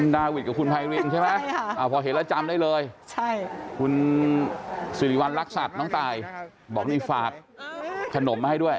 บอกว่านี่ฝากขนมไว้ด้วย